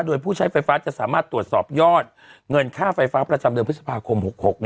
โดยผู้ใช้ไฟฟ้าจะสามารถตรวจสอบยอดเงินค่าไฟฟ้าประจำเดือนพฤษภาคม๖๖